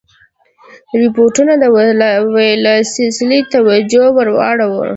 رپوټونو د ویلسلي توجه ور واړوله.